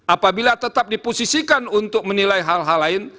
apabila tetap diposisikan untuk menilai hal hal lain